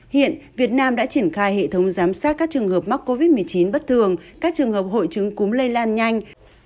hiện việt nam đã triển khai hệ thống giám sát các trường hợp mắc covid một mươi chín bất thường các trường hợp hội chứng cúm lây lan nhanh